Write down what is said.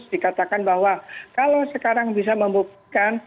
dikatakan bahwa kalau sekarang bisa membuktikan